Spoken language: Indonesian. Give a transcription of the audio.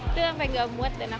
itu sampai nggak muat